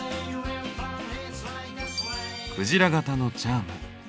クジラ型のチャーム。